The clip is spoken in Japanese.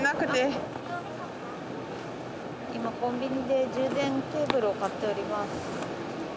今コンビニで充電ケーブルを買っております。